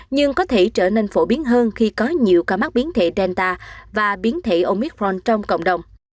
nhưng có thể trở nên phổ biến hơn khi có nhiều ca mắc biến thể denta và biến thể omitron trong cộng đồng